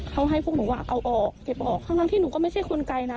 เขาให้พวกหนูเอาออกเก็บออกทั้งที่หนูก็ไม่ใช่คนไกลนะ